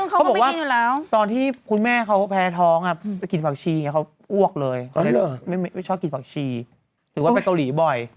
เพราะว่าะเกาหลีเขากันซักพักธรีกันคุณแม่ชอบไปเกาหลี